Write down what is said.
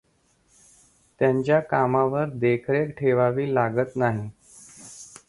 त्यांच्या कामावर देखरेख ठेवावी लागत नाही.